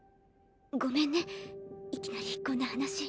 ごめんねいきなりこんな話。